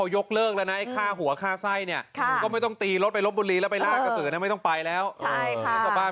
อย่างที่ใครดูข่าวท